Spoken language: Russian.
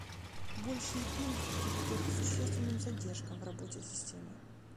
Больший пинг приведет к существенным задержкам в работе системы